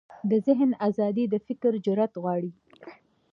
د ذهن ازادي د فکر جرئت غواړي.